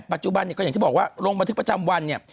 ปัจจุบันเนี่ยก็อย่างที่บอกว่าลงบันทึกประจำวันเนี่ย